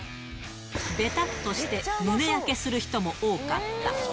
べたっとして、胸焼けする人も多かった。